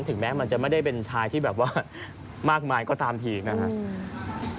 ถึงแม้มันจะไม่ได้เป็นชายที่แบบว่ามากมายก็ตามทีนะครับ